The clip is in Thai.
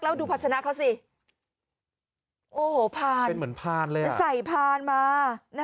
แล้วดูภาชนะเขาสิโอ้โหผ่านเป็นเหมือนผ้านเลยอ่ะใส่ผ่านมานะคะ